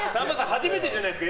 初めてじゃないですか。